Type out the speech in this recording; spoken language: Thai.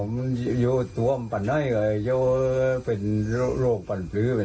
มียิงใกล้ไปเบอ